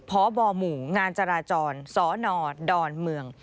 พบหมู่งานจราจรสนดอนเมือง